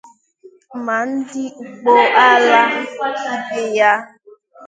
ma ndị ụgbọ ala ibe ya.